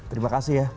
terima kasih ya